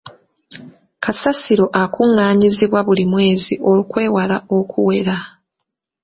Kasasiro akungaanyizibwa buli mwezi okwewala okuwera.